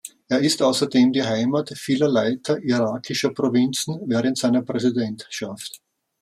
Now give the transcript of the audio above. Es ist außerdem die Heimat vieler Leiter irakischer Provinzen während seiner Präsidentschaft.